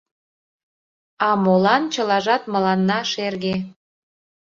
— А молан чылажат мыланна шерге?